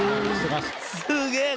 すげえ！